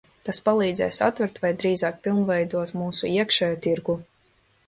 Tas palīdzēs atvērt vai drīzāk pilnveidot mūsu iekšējo tirgu.